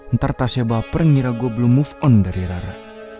ntar tasyaba per ngira gue belum move on dari rara